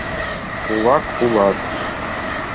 — Кулак улат!